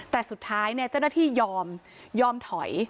แต่สุดท้ายเนี่ยเจ้าหน้าที่ยอมยอมถอย